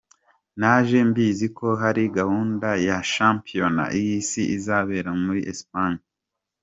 Naje mbizi ko hari gahunda ya Shampiyona y’Isi izabera muri Espagne.